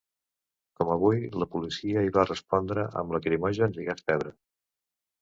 Com avui, la policia hi va respondre amb lacrimògens i gas pebre.